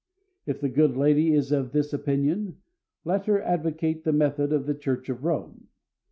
If the good lady is of this opinion, let her advocate the method of the Church of Rome.